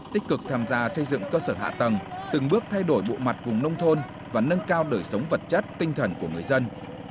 tích cực tham gia xây dựng cơ sở hạ tầng từng bước thay đổi bộ mặt vùng nông thôn và nâng cao đời sống vật chất tinh thần của người dân